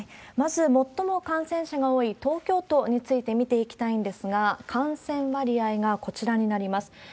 まず、最も感染者が多い東京都について見ていきたいんですが、感染割合がこちらになります。